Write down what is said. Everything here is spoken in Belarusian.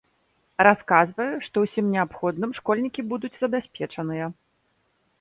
Расказвае, што ўсім неабходным школьнікі будуць забяспечаныя.